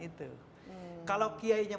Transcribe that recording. itu kalau kiainya